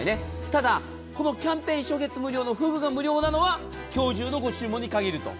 ただ、このキャンペーン初月無料のふぐが無料なのは今日中のご注文に限ると。